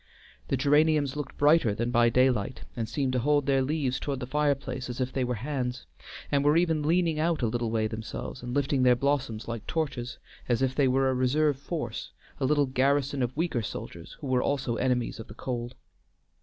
The geraniums looked brighter than by daylight, and seemed to hold their leaves toward the fireplace as if they were hands; and were even leaning out a little way themselves and lifting their blossoms like torches, as if they were a reserve force, a little garrison of weaker soldiers who were also enemies of the cold.